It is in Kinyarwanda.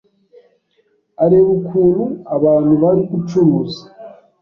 areba ukuntu abantu bari gucuruza